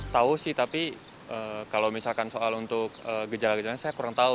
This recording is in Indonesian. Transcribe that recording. tahu sih tapi kalau misalkan soal untuk gejala gejalanya saya kurang tahu